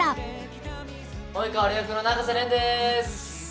及川亮役の永瀬廉です！